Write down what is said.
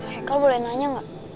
hekal boleh nanya gak